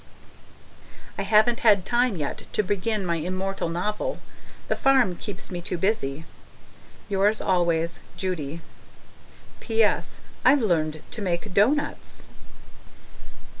I haven't had time yet to begin my immortal novel; the farm keeps me too busy. Yours always, Judy PS. I've learned to make doughnuts.